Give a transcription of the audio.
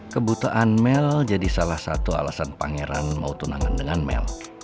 kebutuhan mel jadi salah satu alasan pangeran mau tunangan dengan mel